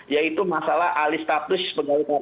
yaitu masalah alistatus pegawai pegawai